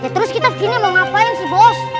terus kita segini mau ngapain sih bos